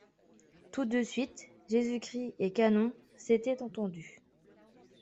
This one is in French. Tout de suite, Jésus-Christ et Canon s’étaient entendus.